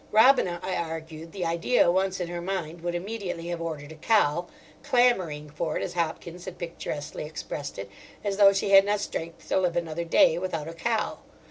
Robina, I argued, the idea once in her mind, would immediately have ordered a cow, clamouring for it—as Hopkins had picturesquely expressed it—as though she had not strength to live another day without a cow.